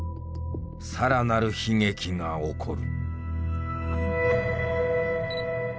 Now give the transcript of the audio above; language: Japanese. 更なる悲劇が起こる。